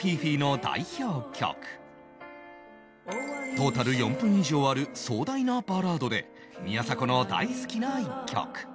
トータル４分以上ある壮大なバラードで宮迫の大好きな１曲